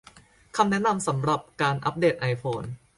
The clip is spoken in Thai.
คำแนะนำสำหรับการอัปเดตไอโฟน